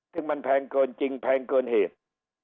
ที่มันแพงเกินจริงแพงเกินเหตุ